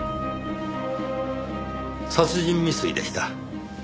殺人未遂でした。